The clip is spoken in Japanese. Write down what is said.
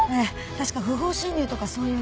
確か不法侵入とかそういう罪で。